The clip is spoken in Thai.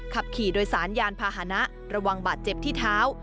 ขับขี่โดยสารยานพาหนะระวังบาดเจ็บที่เท้า